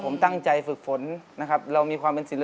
พ่อบอกว่าพ่อเรียนมาจากแม่อีกที